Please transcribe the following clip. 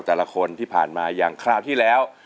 แต่ละคนที่ผ่านมาอย่างคราวที่แล้ว